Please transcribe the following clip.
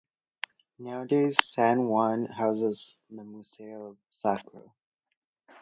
Nowadays San Juan houses the Museo Sacro.